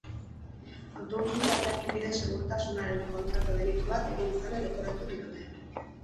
Autobus-gidariari bide segurtasunaren kontrako delitu bat egin izana leporatu diote.